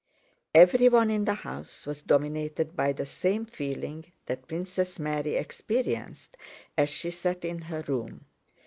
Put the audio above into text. Everyone in the house was dominated by the same feeling that Princess Mary experienced as she sat in her room.